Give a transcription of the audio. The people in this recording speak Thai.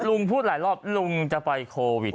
พูดหลายรอบลุงจะไปโควิด